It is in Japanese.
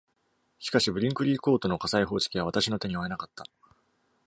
しかし、ブリンクリー・コートの火災報知機は、私の手に負えなかった。